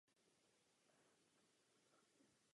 Cestovní ruch je důležitou součástí ekonomiky Ázerbájdžánu.